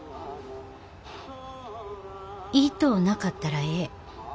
言いとうなかったらええ。